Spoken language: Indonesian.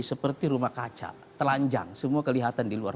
seperti rumah kaca telanjang semua kelihatan di luar